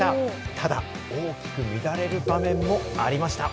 ただ、大きく乱れる場面もありました。